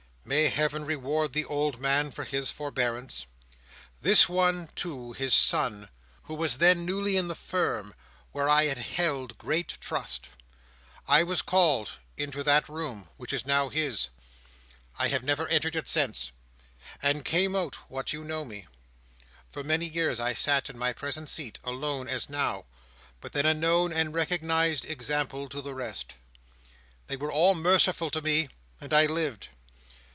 May Heaven reward the old man for his forbearance! This one, too, his son, who was then newly in the Firm, where I had held great trust! I was called into that room which is now his—I have never entered it since—and came out, what you know me. For many years I sat in my present seat, alone as now, but then a known and recognised example to the rest. They were all merciful to me, and I lived.